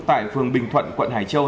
tại phường bình thuận quận hải châu